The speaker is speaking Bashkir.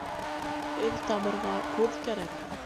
Эҙ табырға күҙ кәрәк.